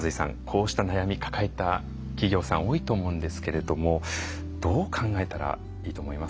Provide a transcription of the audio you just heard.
こうした悩み抱えた企業さん多いと思うんですけれどもどう考えたらいいと思いますか？